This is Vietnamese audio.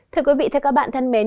thưa quý vị thưa các bạn thân mến